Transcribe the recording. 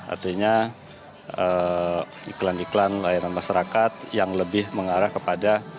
artinya iklan iklan layanan masyarakat yang lebih mengarah kepada